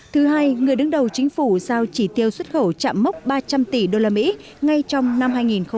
thứ hai người đứng đầu chính phủ giao chỉ tiêu xuất khẩu chạm mốc ba trăm linh tỷ usd ngay trong năm hai nghìn hai mươi